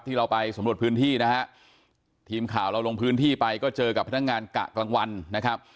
เราไปสำรวจพื้นที่นะฮะทีมข่าวเราลงพื้นที่ไปก็เจอกับพนักงานกะกลางวันนะครับ